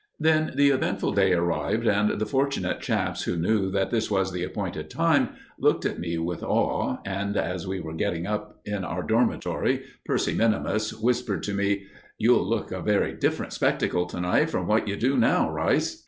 Then the eventful day arrived, and the fortunate chaps who knew that this was the appointed time, looked at me with awe; and as we were getting up in our dormitory, Percy Minimus whispered to me: "You'll look a very different spectacle to night from what you do now, Rice."